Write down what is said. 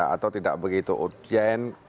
atau tidak begitu urgent